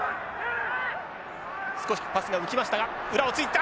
少しパスが浮きましたが裏をついて。